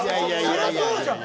そりゃそうじゃん！